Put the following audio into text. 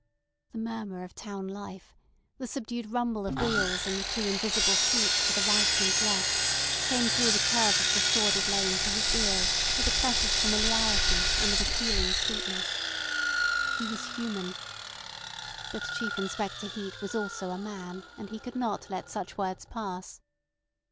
The murmur of town life, the subdued rumble of wheels in the two invisible streets to the right and left, came through the curve of the sordid lane to his ears with a precious familiarity and an appealing sweetness. He was human. But Chief Inspector Heat was also a man, and he could not let such words pass.